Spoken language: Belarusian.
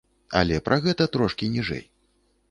Але пра гэта трохі ніжэй.